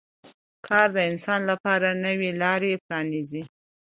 کار د انسان لپاره نوې لارې پرانیزي